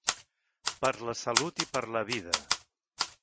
Per la salut i per la vida.